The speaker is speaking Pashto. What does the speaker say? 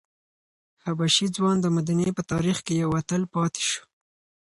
حبشي ځوان د مدینې په تاریخ کې یو اتل پاتې شو.